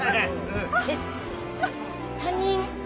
えっ他人？